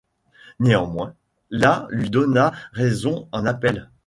Néanmoins, la lui donna raison en appel.